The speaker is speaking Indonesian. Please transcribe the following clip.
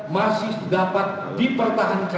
masih dapat dipertahankan